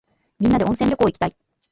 みんなで温泉旅行いきたい。